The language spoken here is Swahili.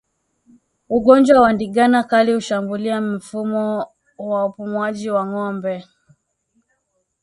Ugonjwa wa ndigana kali hushambulia mfumo wa upumuaji wa ngombe